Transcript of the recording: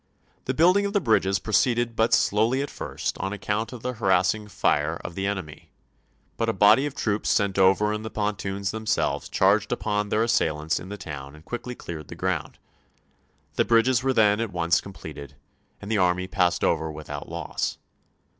The building of the bridges proceeded but slowly at first on account of the harassing fire of the enemy, but a body of troops sent over in the pon toons themselves charged upon their assailants in the town and quickly cleared the gi'ound. The bridges were then at once completed, and the army passed over without loss.